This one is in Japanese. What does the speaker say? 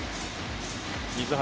水原